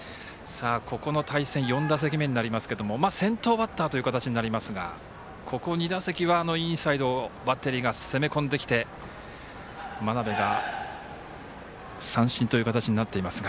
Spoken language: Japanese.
ここの対戦４打席目になりますけれども先頭バッターという形になりますがここ２打席はインサイドバッテリーが攻め込んできて真鍋が三振という形になっていますが。